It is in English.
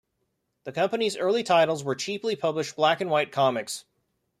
The company's early titles were cheaply published black-and-white comics.